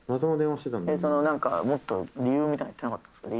なんかもっと理由みたいなの言ってなかったですか？